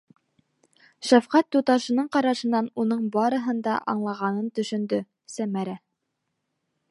Шәфҡәт туташының ҡарашынан уның барыһын да аңлағанын төшөндө Сәмәрә.